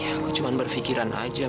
aku cuma berpikiran aja